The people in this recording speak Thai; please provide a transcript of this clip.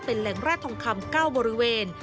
เป็นแหล่งแร่ทองคำ๙บริเวณ